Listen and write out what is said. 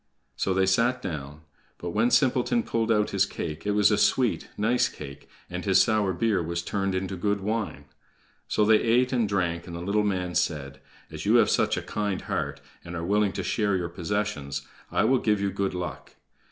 So they sat down; but when Simpleton pulled out his cake, it was a sweet, nice cake, and his sour beer was turned into good wine. So they ate and drank, and the little man said: "As you have such a kind heart, and are willing to share your possessions, I will give you good luck.